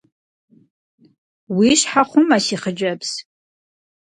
Уи щхьэ хъумэ, си хъыджэбз.